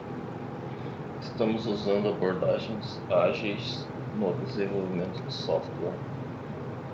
Estamos usando abordagens ágeis no desenvolvimento de software.